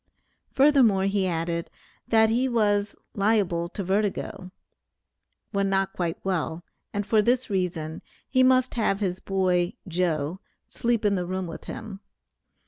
Furthermore he added, that he was "liable to vertigo," when not quite well, and for this reason he must have his boy "Joe" sleep in the room with him.